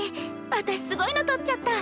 私すごいのとっちゃった。